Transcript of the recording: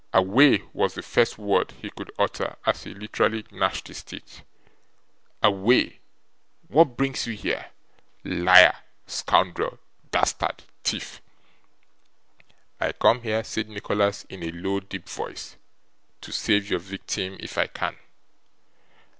'Away!' was the first word he could utter as he literally gnashed his teeth. 'Away! What brings you here? Liar, scoundrel, dastard, thief!' 'I come here,' said Nicholas in a low deep voice, 'to save your victim if I can.